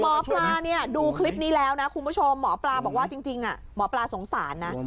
หมอปลาเนี่ยดูคลิปนี้แล้วนะคุณผู้ชมหมอปลาบอกว่าจริงหมอปลาสงสารนะ